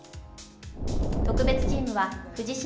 特別チームは藤島